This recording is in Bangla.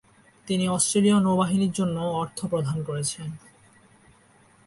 তিনি অস্ট্রেলীয় নৌবাহিনীর জন্যও অর্থ প্রদান করেছেন।